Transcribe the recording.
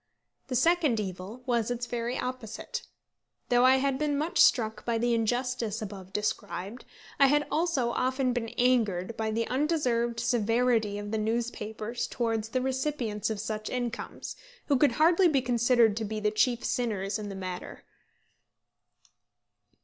The second evil was its very opposite. Though I had been much struck by the injustice above described, I had also often been angered by the undeserved severity of the newspapers towards the recipients of such incomes, who could hardly be considered to be the chief sinners in the matter.